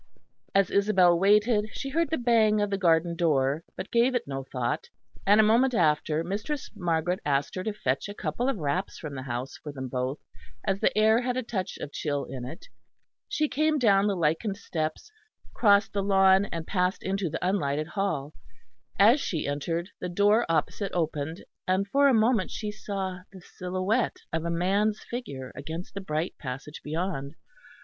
As Isabel waited she heard the bang of the garden door, but gave it no thought, and a moment after Mistress Margaret asked her to fetch a couple of wraps from the house for them both, as the air had a touch of chill in it. She came down the lichened steps, crossed the lawn, and passed into the unlighted hall. As she entered, the door opposite opened, and for a moment she saw the silhouette of a man's figure against the bright passage beyond.